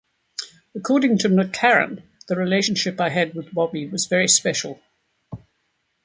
According to McClaren, The relationship I had with Bobby was very special.